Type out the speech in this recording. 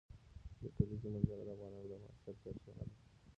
د کلیزو منظره د افغانانو د معیشت سرچینه ده.